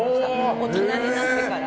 大人になってから。